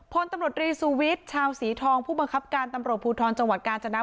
พ่นตำหรดรีซูวิสชาวสีทองผู้บังคับการตำรถภูทรจังหวัดกาลจนะบุรี